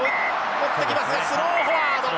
持ってきますがスローフォワード。